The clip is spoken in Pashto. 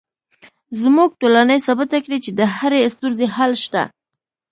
زموږ ټولنې ثابته کړې چې د هرې ستونزې حل شته